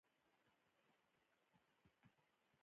ایا ستاسو هنر ستایل شوی نه دی؟